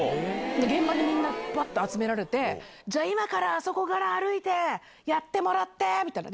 現場にみんなばっと集められて、じゃあ、今からあそこから歩いて歩いて、やってもらってみたいな。